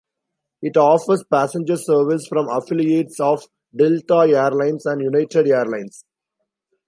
It offers passenger service from affiliates of Delta Air Lines and United Airlines.